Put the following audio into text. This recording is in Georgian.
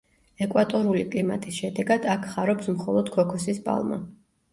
ეკვატორული კლიმატის შედეგად, აქ ხარობს მხოლოდ ქოქოსის პალმა.